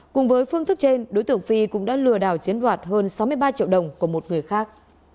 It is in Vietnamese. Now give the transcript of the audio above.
cùng với phương thức trên đối tượng phi cũng đã lừa đảo chiến đoạt hơn sáu mươi ba triệu đồng của một người khác